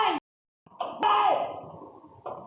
ถ้าสองเค้าจางคิดว่า